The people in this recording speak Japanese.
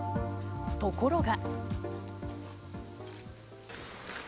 ところが。